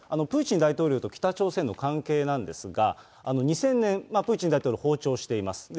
プーチン大統領と北朝鮮の関係なんですが、２０００年、プーチン大統領訪朝しています。